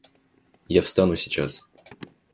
Я встану сейчас.